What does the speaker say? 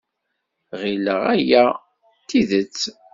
Ɣileɣ aya d tidet.